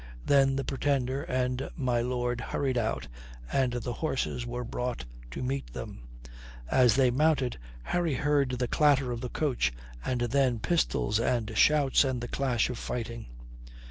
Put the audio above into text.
Then the Pretender and my lord hurried out, and the horses were brought to meet them. As they mounted, Harry heard the clatter of the coach and then pistols and shouts, and the clash of fighting.